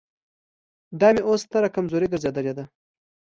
دا مې اوس ستره کمزوري ګرځېدلې ده.